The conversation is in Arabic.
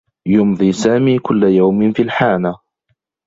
يمضي سامي كلّ يوم في الحانة.